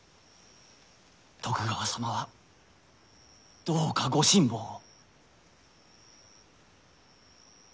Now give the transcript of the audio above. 徳川様はどうかご辛抱を。